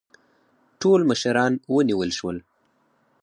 ټول مشران ونیول شول.